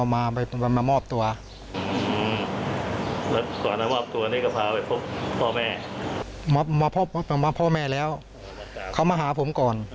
มามอบตัวพ่อแม่แล้วเขามาหาผมก่อน